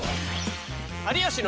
「有吉の」。